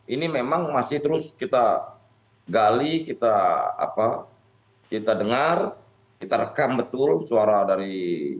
ini memang masih terus kita gali kita dengar kita rekam betul suara dari